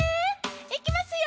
いきますよ。